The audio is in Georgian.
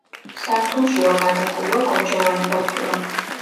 სართულშუა გადახურვა კოჭოვანი ყოფილა.